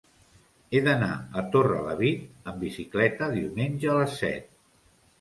He d'anar a Torrelavit amb bicicleta diumenge a les set.